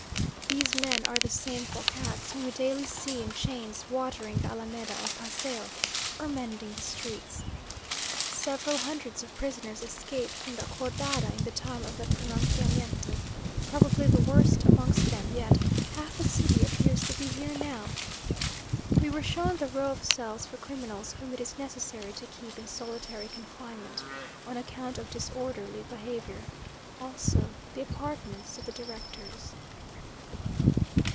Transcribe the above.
These men are the same forçats whom we daily see in chains, watering the Alameda or Paseo, or mending the streets. Several hundreds of prisoners escaped from the Acordada in the time of the pronunciamiento probably the worst amongst them yet half the city appears to be here now. We were shown the row of cells for criminals whom it is necessary to keep in solitary confinement, on account of disorderly behaviour also the apartments of the directors.